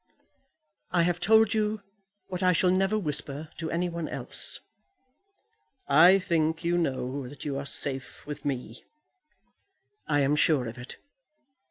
"I have told you what I shall never whisper to any one else." "I think you know that you are safe with me." "I am sure of it.